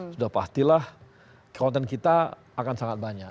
sudah pastilah konten kita akan sangat banyak